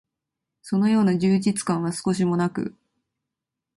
そのような充実感は少しも無く、